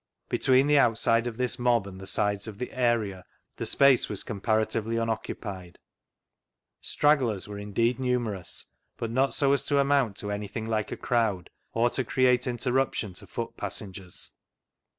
Between the outside of this mob and the sides of the area the space was comparatively unoccupied; stragglers were indeed numerous, but not so as to amount to anything like a crowd, or to create interruption to foot passengers.